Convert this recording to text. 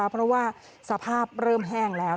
เพราะว่าสภาพเริ่มแห้งแล้ว